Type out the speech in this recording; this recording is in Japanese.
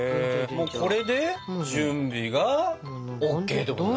もうこれで準備がＯＫってことだね。